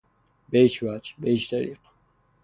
به هیچ وجه، به هیچ طریق